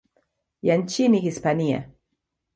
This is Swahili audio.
ya nchini Hispania.